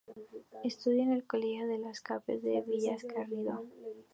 Estudió en el colegio de los Escolapios de Villacarriedo.